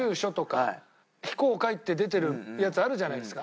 「非公開」って出てるやつあるじゃないですか。